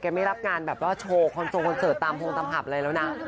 ไม่รับงานแบบว่าโชว์คอนทรงคอนเสิร์ตตามโพงตามผับอะไรแล้วนะ